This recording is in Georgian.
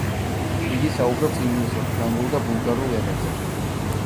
იგი საუბრობს ინგლისურ, ფრანგულ და ბულგარულ ენებზე.